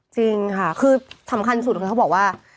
จริงค่ะคือสำคัญสุดคือเขาบอกว่า